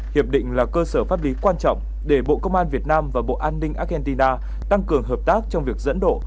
hiệp định là cơ sở pháp lý quan trọng để bộ công an việt nam và bộ an ninh argentina tăng cường hợp tác trong việc dẫn độ